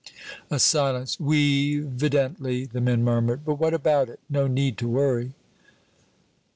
A silence. "Oui, 'vidently," the men murmured; "but what about it? No need to worry."